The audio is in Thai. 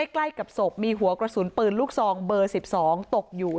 ใกล้กับศพมีหัวกระสุนปืนลูกซองเบอร์๑๒ตกอยู่